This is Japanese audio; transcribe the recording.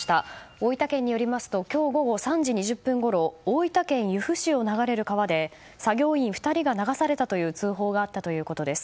大分県によりますと今日午後３時２０分ごろ大分県由布市を流れる川で作業員２人が流されたという通報があったということです。